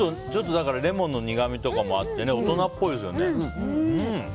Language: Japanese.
レモンの苦みとかもあって大人っぽいですよね。